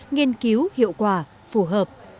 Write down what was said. nghiên cứu hiệu quả phù hợp